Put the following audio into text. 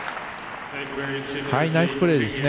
ナイスプレーですね。